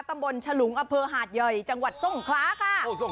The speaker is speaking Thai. ตำบลฉลุงอำเภอหาดใหญ่จังหวัดทรงคลาค่ะ